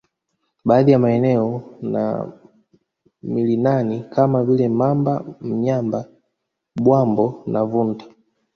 Baadhi ya maeneo ya milinani kama vile mamba Mnyamba Bwambo na Vunta